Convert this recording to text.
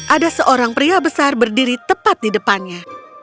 ada seorang pria besar berdiri tepat di depannya